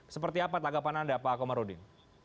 seperti apa tanggapan anda pak komarudin